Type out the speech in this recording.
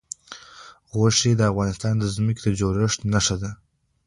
غوښې د افغانستان د ځمکې د جوړښت نښه ده.